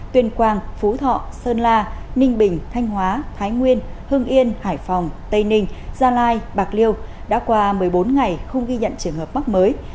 tuyên quang phú thọ sơn la ninh bình thanh hóa thái nguyên hưng yên hải phòng tây ninh gia lai bạc liêu đã qua một mươi bốn ngày không ghi nhận trường hợp mắc mới